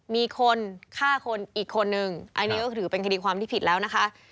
มีคนฆ่าคนอีกคนนึงอันนี้ก็ถือเป็นคดีความที่ผิดแล้วนะคะ